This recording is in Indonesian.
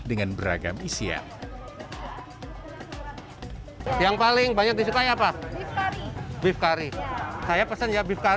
dengan beragam isian